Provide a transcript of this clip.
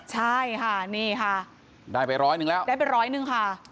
ใช่ค่ะนี่ค่ะได้ไปร้อยหนึ่งแล้วได้ไปร้อยหนึ่งค่ะ